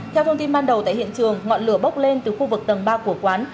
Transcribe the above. theo thông tin ban đầu tại hiện trường ngọn lửa bốc lên từ khu vực tầng ba của quán